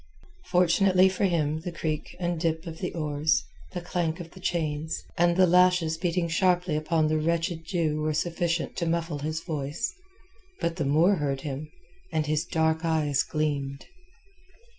Fortunately for him the creak and dip of the oars, the clank of chains, and the lashes beating sharply upon the wretched Jew were sufficient to muffle his voice. But the Moor heard him, and his dark eyes gleamed.